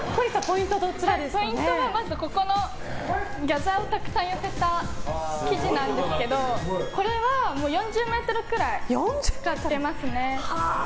ポイントはギャザーをたくさん寄せた生地なんですけどこれは４０ｍくらい使ってますね。